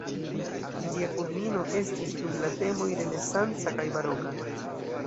Ĝia kulmino estis dum la temoj renesanca kaj baroka.